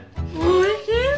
おいしい！